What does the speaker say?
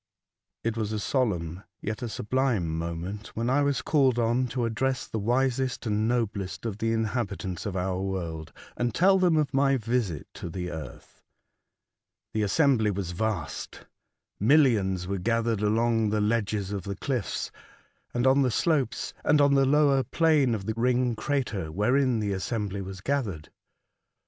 IT was a solemn yet a sublime moment when I was called on to address the wisest and noblest of the inhabitants of our world, and tell them of my visit to the earth. The assembly was vast, millions were gathered along the ledges of the cliffs, and on the slopes, and on the lower plain of the ring crater wherein the assembly was gathered.